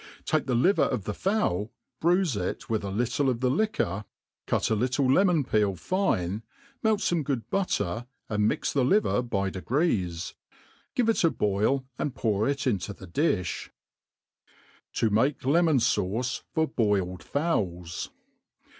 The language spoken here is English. TAKE the liver of the fowl, bruife it with ^ little of ther liquor, cut a little lc|;non>peel fine, melt fome good butted, and mix the liver by degrees ; give it a boil, and pour it into the di(b. To maie Lemon fauce for boiled Fowls.